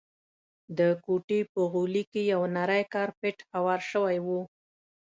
د کوټې په غولي کي یو نری کارپېټ هوار شوی وو.